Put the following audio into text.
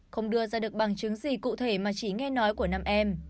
không đưa ra được bằng chứng gì cụ thể mà chỉ nghe nói của năm em